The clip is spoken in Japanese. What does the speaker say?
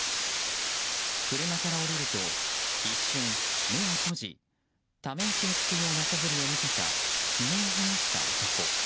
車から降りると一瞬、目を閉じため息をつくようなそぶりを見せたひげを生やした男。